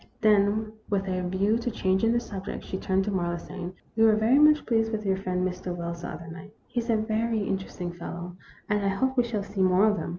Then, with a view to changing the sub ject, she turned to Marlowe, saying : "We were very much pleased with your friend Mr. Wells the other night. He is a very interesting fellow, and I hope we shall see more of him."